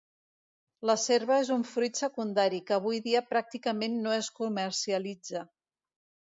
La serva és un fruit secundari, que avui dia pràcticament no es comercialitza.